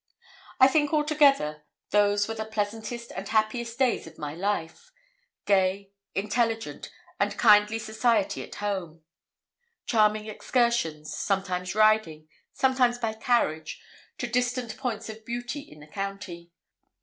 I think altogether those were the pleasantest and happiest days of my life: gay, intelligent, and kindly society at home; charming excursions sometimes riding sometimes by carriage to distant points of beauty in the county.